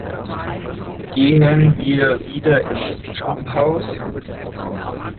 Gehen wir wieder ins Jumphouse?